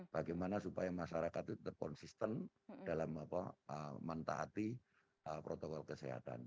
bagaimana supaya masyarakat itu konsisten dalam mentah hati protokol kesehatan